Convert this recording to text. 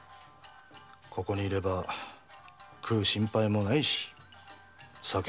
ここに居れば食う心配もないし酒も飲める。